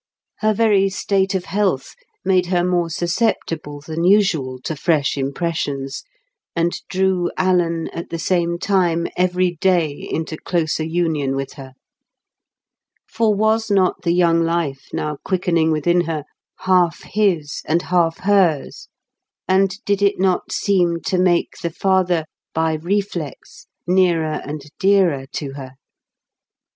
Her very state of health made her more susceptible than usual to fresh impressions, and drew Alan at the same time every day into closer union with her. For was not the young life now quickening within her half his and half hers, and did it not seem to make the father by reflex nearer and dearer to her?